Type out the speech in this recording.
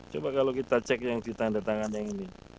coba kalau kita cek yang ditanda tangan yang ini